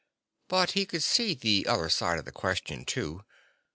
But he could see the other side of the question, too.